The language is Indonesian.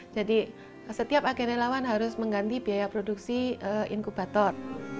jadi setiap agen relawan harus mengganti biaya produksi inkubator